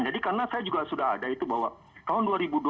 jadi karena saya juga sudah ada itu bahwa tahun dua ribu dua belas